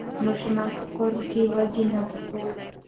ماشومان په کور کې وږي ناست وو.